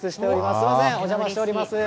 すみません、お邪魔しております。